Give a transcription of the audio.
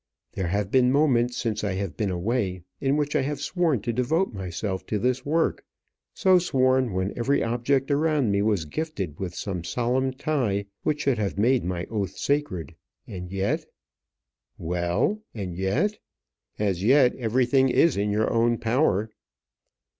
There have been moments since I have been away in which I have sworn to devote myself to this work, so sworn when every object around me was gifted with some solemn tie which should have made my oath sacred; and yet " "Well and yet? as yet everything is in your own power."